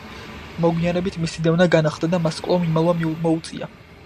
მოგვიანებით მისი დევნა განახლდა და მას კვლავ მიმალვა მოუწია.